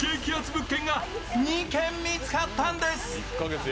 物件が２軒見つかったんです。